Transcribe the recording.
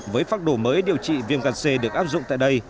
với pháp đồ mới điều trị viêm gan c được áp dụng tại đây